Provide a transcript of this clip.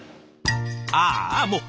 ああもう。